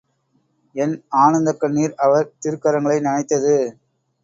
என் ஆனந்தக் கண்ணீர் அவர் திருக்கரங்களை நனைத்தது.